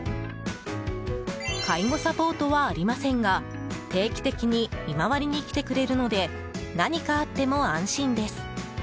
介護サポートはありませんが定期的に見回りに来てくれるので何かあっても安心です。